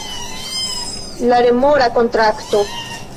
La remora kontrakto